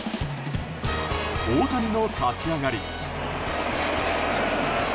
大谷の立ち上がり。